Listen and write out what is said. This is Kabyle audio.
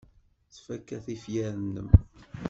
Ttfaka tifyar-nnem.